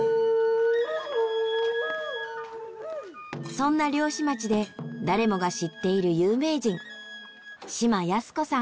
そんな漁師町で誰もが知っている有名人島康子さん。